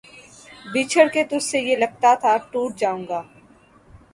بچھڑ کے تجھ سے یہ لگتا تھا ٹوٹ جاؤں گا